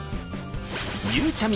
ゆうちゃみ